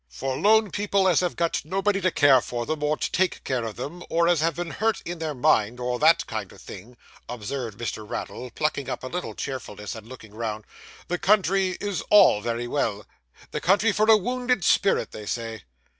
'For lone people as have got nobody to care for them, or take care of them, or as have been hurt in their mind, or that kind of thing,' observed Mr. Raddle, plucking up a little cheerfulness, and looking round, 'the country is all very well. The country for a wounded spirit, they say.